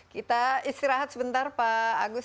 kita istirahat sebentar pak agus